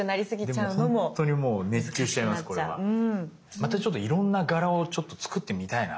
またちょっといろんな柄をちょっと作ってみたいな。